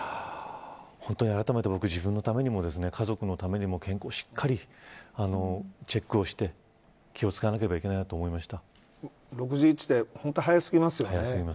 本当にあらためて、僕自分のためにも、家族のためにも健康、しっかりチェックをして気を付けなければいけないと思いました。